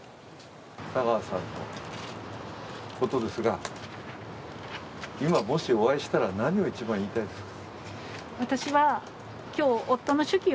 佐川さんのことですが、今、もしお会いしたら何を一番言いたいですか？